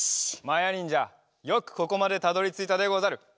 まやにんじゃよくここまでたどりついたでござる！